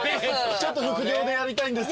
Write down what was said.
ちょっと副業でやりたいんですけどって。